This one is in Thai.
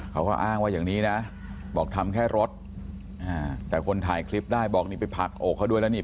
เขาก็อ้างว่าอย่างนี้นะบอกทำแค่รถแต่คนถ่ายคลิปได้บอกนี่ไปผลักอกเขาด้วยแล้วนี่